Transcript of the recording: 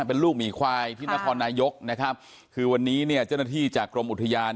เป็นลูกหมีควายที่นครนายกนะครับคือวันนี้เนี่ยเจ้าหน้าที่จากกรมอุทยาน